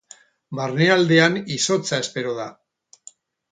Barnealdean izotza espero da.